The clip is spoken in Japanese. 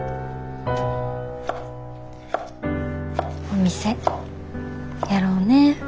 お店やろうね。